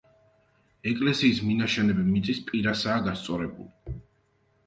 ეკლესიის მინაშენები მიწის პირასაა გასწორებული.